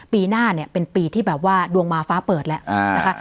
ปีหน้าเนี่ยเป็นปีที่แบบว่าดวงมาฟ้าเปิดแล้วนะคะ